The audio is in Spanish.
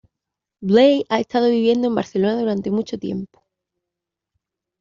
Blay ha estado viviendo en Barcelona durante mucho tiempo.